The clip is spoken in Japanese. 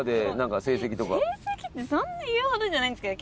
成績ってそんな言うほどじゃないんですけど。